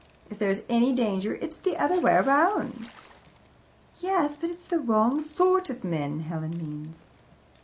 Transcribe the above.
If there is any danger it's the other way round." "Yes, but it's the wrong sort of men, Helen means."